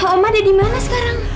oma dia dimana sekarang